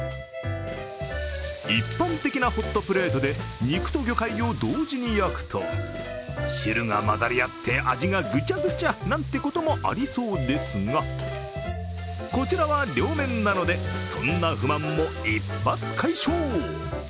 一般的なホットプレートで肉と魚介を同時に焼くと汁が混ざり合って味がぐちゃぐちゃなんてこともありそうですがこちらは両面なので、そんな不満も一発解消。